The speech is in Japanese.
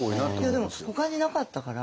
いやでもほかになかったから。